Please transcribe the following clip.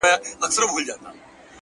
دې لېوني ماحول کي ووایه پر چا مئين يم”